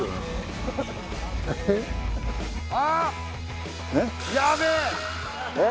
あっ！